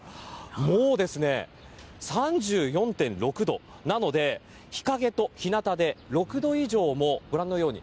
もう３４．６度なので日陰と日なたで６度以上も、ご覧の通り